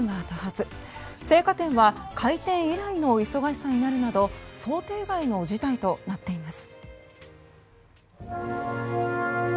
生花店は開店以来の忙しさになるなど想定外の事態となっています。